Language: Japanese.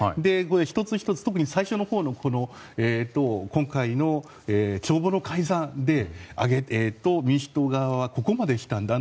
１つ１つ、特に最初のほうの今回の帳簿の改ざんで民主党側はここまでしたんだと。